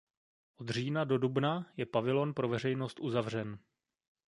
Od října do dubna je pavilon pro veřejnost uzavřen.